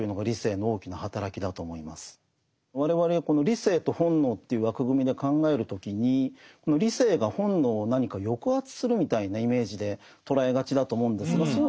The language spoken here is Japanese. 我々この理性と本能という枠組みで考える時に理性が本能を何か抑圧するみたいなイメージで捉えがちだと思うんですがそう